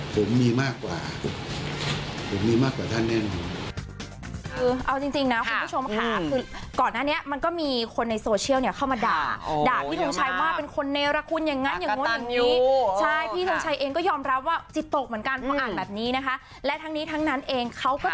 ผมมีมากกว่าผมมีมากกว่าท่านแน่นอน